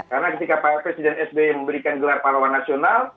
karena ketika pak presiden sby memberikan gelar pahlawan nasional